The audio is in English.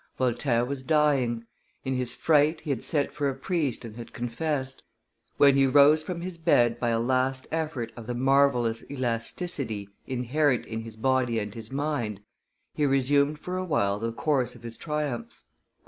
Voltaire was dying; in his fright he had sent for a priest and had confessed; when he rose from his bed by a last effort of the marvellous elasticity, inherent in his body and his mind, he resumed for a while the course of his triumphs.